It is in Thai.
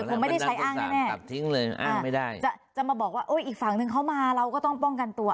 ผมไม่ได้ใช้อ้างนี้แน่จะมาบอกว่าอีกฝั่งนึงเขามาเราก็ต้องป้องกันตัว